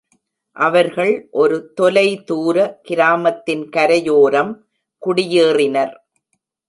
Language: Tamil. அவர்கள் ஒரு தொலைதூர கிராமத்தின் கரையோரம் குடியேறினர்.